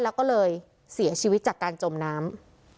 แล้วก็เลยเสียชีวิตจากการจมน้ำ